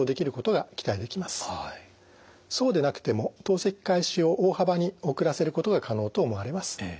そうでなくても透析開始を大幅に遅らせることが可能と思われます。